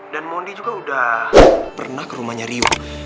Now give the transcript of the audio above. dan mondi juga udah pernah ke rumahnya riu